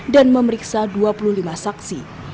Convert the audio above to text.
dan memeriksa dua puluh lima saksi